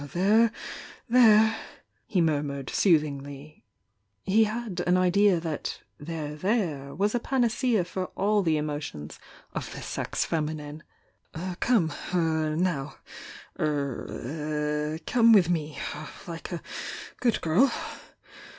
"There, there!" he murmured soothingly,— he had an idea that "there, there," was a panacea for all the emotions of the sex feminine — "Come! — now — er — come with me, like a good girl!